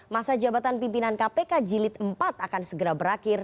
masa jabatan pimpinan kpk jilid empat akan segera berakhir